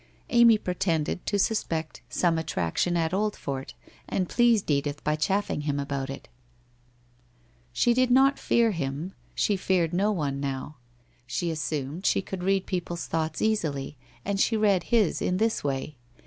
Amy pretended to suspect 154 WHITE ROSE OF WEARY LEAF some attraction at Oldfort, and pleased Edith by chaffing him about it. She did not fear him : she feared no one now. She assumed she could read people's thoughts easily, and she road his in this way.